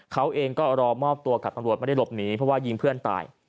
เขาเองก็รอมอบตัวกับตำรวจไม่ได้หลบหนีเพราะว่ายิงเพื่อนตาย